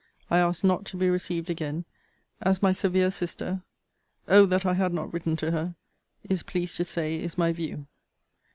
I ask not to be received again, as my severe sister [Oh! that I had not written to her!] is pleased to say, is my view.